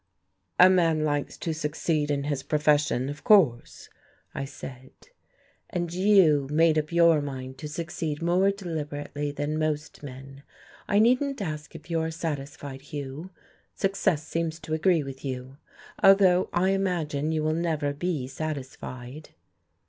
"A man likes to succeed in his profession, of course," I said. "And you made up your mind to succeed more deliberately than most men. I needn't ask you if you are satisfied, Hugh. Success seems to agree with you, although I imagine you will never be satisfied."